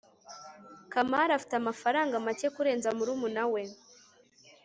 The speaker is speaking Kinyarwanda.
kamari afite amafaranga make kurenza murumuna we